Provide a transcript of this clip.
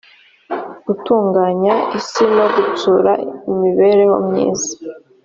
gutunganya isi no gutsura imibereho myiza